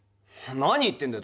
何言ってんだよ